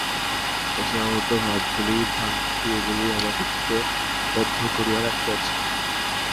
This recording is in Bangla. এই সীমাবদ্ধ ভাবগুলিই ভ্রান্তি, এগুলিই আমাদিগকে বদ্ধ করিয়া রাখিয়াছে।